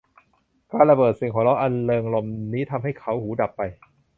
การระเบิดเสียงหัวเราะอันเริงรมย์นี้ทำให้เขาหูดับไป